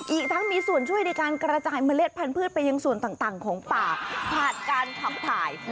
อีกทั้งมีส่วนช่วยในการกระจายเมล็ดพันธุ์ไปยังส่วนต่างของป่าผ่านการขับถ่าย